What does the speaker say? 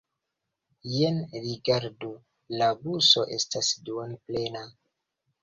Jen rigardu: la buso estas duonplena.